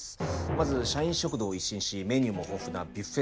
まず社員食堂を一新しメニューも豊富なビュッフェスタイルに。